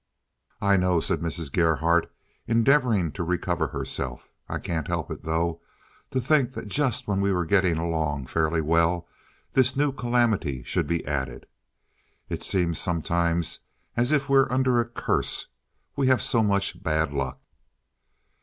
"I know," said Mrs. Gerhardt, endeavoring to recover herself. "I can't help it, though. To think that just when we were getting along fairly well this new calamity should be added. It seems sometimes as if we were under a curse. We have so much bad luck."